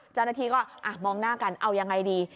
เจ้าหน้าที่ก็มองหน้ากันเอายังไงดี